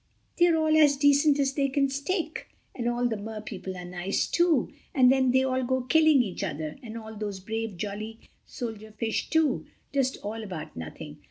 They're all as decent as they can stick, and all the Mer people are nice too—and then they all go killing each other, and all those brave, jolly soldier fish too, just all about nothing.